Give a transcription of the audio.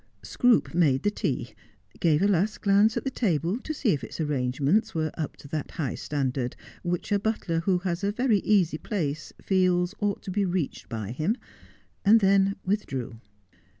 Scroope made the tea, gave a last glance at the table to see if its arrangements were up to that high standard which a butler who has a very easy place feels ought to be reached by him, and then withdrew.